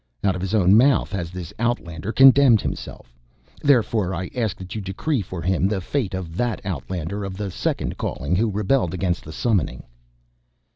"Out of his own mouth has this outlander condemned himself. Therefore I ask that you decree for him the fate of that outlander of the second calling who rebelled against the summoning."